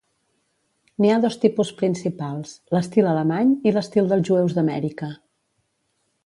N'hi ha dos tipus principals: l'estil alemany i l'estil dels jueus d'Amèrica.